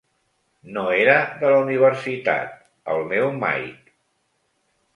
No era de la universitat, el meu Mike.